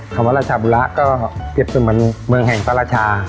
คำว่าราชบุราก็เปรียบสมมุติเมืองแห่งสรรชา